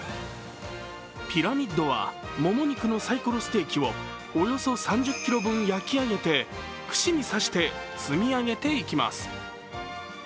ピラミッドはもも肉のサイコロステーキをおよそ３０ｋｇ分焼き上げて串に刺して積み上げていきます。